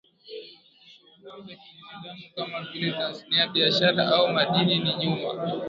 Shughuli za kibinadamu kama vile tasnia biashara au madini ni nyuma